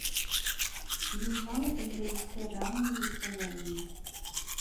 Yuba yella la yettara i usawal-nnes.